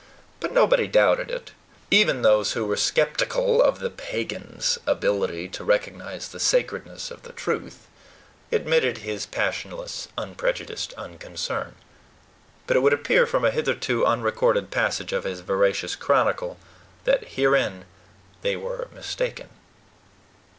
But nobody doubted it. Even those who were skeptical of the pagan's ability to recognize the sacredness of the truth admitted his passionless, unprejudiced unconcern. But it would appear, from a hitherto unrecorded passage of this veracious chronicle, that herein they were mistaken.